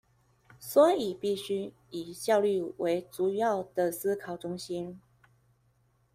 所以必須以效率為主要的思考中心